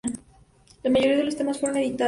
La mayoría de los temas fueron editados.